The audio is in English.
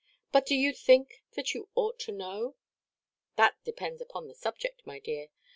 But do you think that you ought to know?" "That depends upon the subject, my dear.